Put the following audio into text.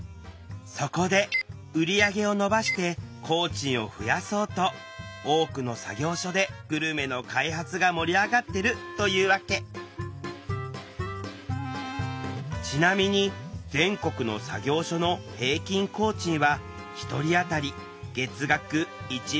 そこで売り上げを伸ばして工賃を増やそうと多くの作業所でグルメの開発が盛り上がってるというわけちなみに全国の作業所のちょっと亜美ちゃん